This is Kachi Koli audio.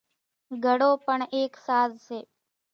گھڙو پڻ ايڪ ساز سي۔